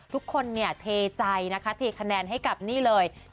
ทุกคนเนี่ยเทใจนะคะเทคะแนนให้กับนี่เลย